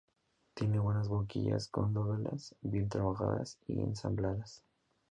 Tiene buenas boquillas con dovelas bien trabajadas y ensambladas.